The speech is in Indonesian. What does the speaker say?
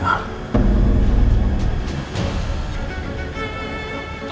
adebaran al fahri bukan pengecuk